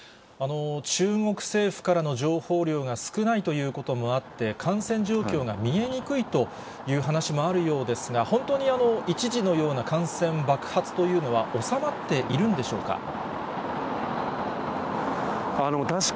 中国政府からの情報量が少ないということもあって、感染状況が見えにくいという話もあるようですが、本当に、一時のような感染爆発というのは収まっているんでしょうか。